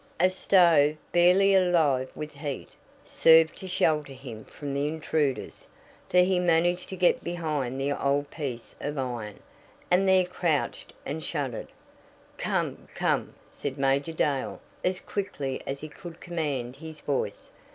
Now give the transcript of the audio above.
A stove, barely alive with heat, served to shelter him from the intruders, for he managed to get behind the old piece of iron, and there crouched and shuddered. "Come, come!" said Major Dale as quickly as he could command his voice.